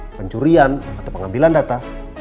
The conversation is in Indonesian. pencurian atau pengambilan data